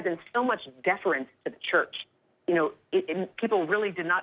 เพื่อนมีส่วนตอบแบบกับพิเศษมากนิดหน่อย